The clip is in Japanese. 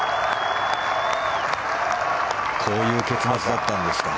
こういう結末だったんですか。